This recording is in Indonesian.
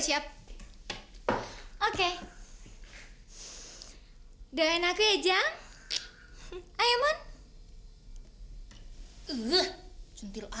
tampangnya khas banget itu